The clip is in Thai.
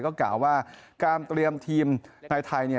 ก็กล่าวว่าการเตรียมทีมในไทย